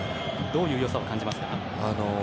どういう良さを感じますか？